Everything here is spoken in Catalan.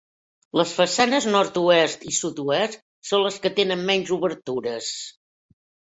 Les façanes nord-oest i sud-oest són les que tenen menys obertures.